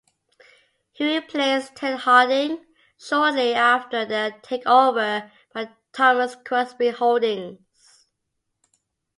He replaced Ted Harding, shortly after the takeover by Thomas Crosbie Holdings.